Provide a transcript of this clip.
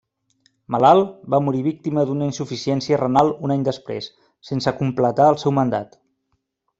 Malalt, va morir víctima d'una insuficiència renal un any després, sense completar el seu mandat.